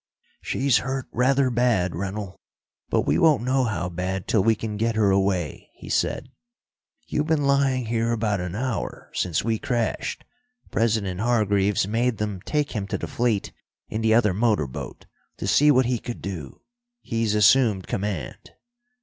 "She's hurt rather bad, Rennell, but we won't know how bad till we can get her away," he said. "You've been lying here about an hour, since we crashed. President Hargreaves made them take him to the fleet in the other motorboat to see what he could do. He's assumed command.